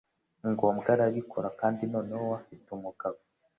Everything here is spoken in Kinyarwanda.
ngombwa arabikora kandi noneho we afite umugabo.